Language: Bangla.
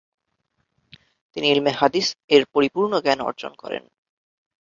তিনি ' ইলমে হাদিস' '- এর পরিপূর্ণ জ্ঞান অর্জন করেন ।